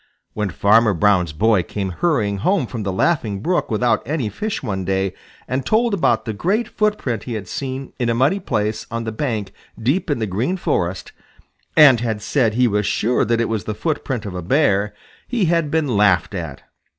When Farmer Brown's boy came hurrying home from the Laughing Brook without any fish one day and told about the great footprint he had seen in a muddy place on the bank deep in the Green Forest, and had said his was sure that it was the footprint of a Bear, he had been laughed at.